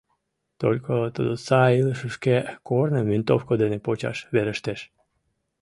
Только тудо сай илышышке корным винтовко дене почаш верештеш!..